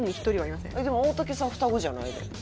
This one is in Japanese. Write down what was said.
いやでも大竹さん双子じゃないで。